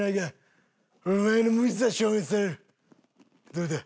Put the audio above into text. どうだ？